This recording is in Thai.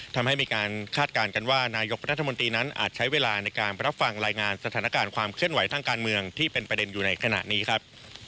ทำให้มีการคาดการณ์กันว่านายกรัฐมนตรีนั้นอาจใช้เวลาในการรับฟังรายงานสถานการณ์ความเคลื่อนไหวทางการเมืองที่เป็นประเด็นอยู่ในขณะนี้ครับ